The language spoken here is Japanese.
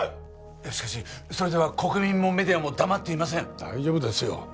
いやしかしそれでは国民もメディアも黙っていません大丈夫ですよ